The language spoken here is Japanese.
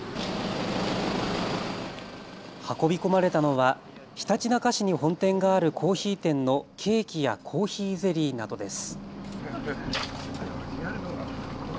運び込まれたのはひたちなか市に本店があるコーヒー店のケーキやコーヒーゼリーなどです。